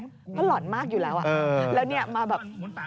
ก็หลอนมากอยู่แล้วอ่ะ